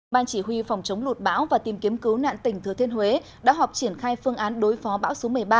ban chỉ huy phòng chống lụt bão và tìm kiếm cứu nạn tỉnh thừa thiên huế đã họp triển khai phương án đối phó bão số một mươi ba